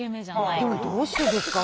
でもどうしてですか？